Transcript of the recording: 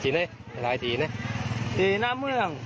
ทีไหนลายทีนะทีน้ำเมือง